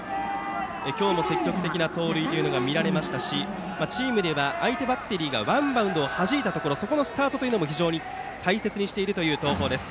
今日も積極的な盗塁が見られましたしチームでは、相手バッテリーがワンバウンドをはじいたところそこのスタートも非常に大切にしている東邦です。